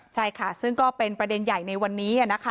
ใช่ค่ะซึ่งก็เป็นประเด็นใหญ่ในวันนี้นะคะ